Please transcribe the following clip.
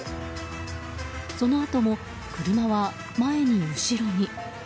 そのあとも車は前に、後ろに。